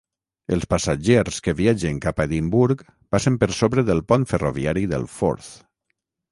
Els passatgers que viatgen cap a Edimburg passen per sobre del pont ferroviari del Forth